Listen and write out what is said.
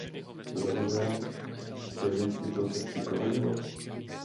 Za druhé, byly tyto testy provedeny?